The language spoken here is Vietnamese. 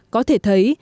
có thể thấy